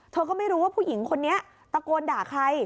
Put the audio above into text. เธอก็ไม่รู้ว่าผู้หญิงคนนี้ตะโกนด่าใคร